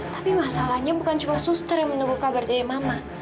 tapi masalahnya bukan cuma suster yang menunggu kabar dari mama